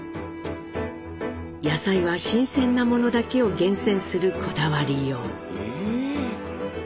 野菜は新鮮なものだけを厳選するこだわりよう。